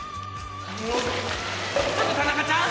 ちょっと田中ちゃん！